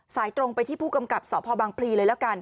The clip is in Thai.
สายตรงไปที่ผู้กำกับสพบังพลีเลยแล้วกัน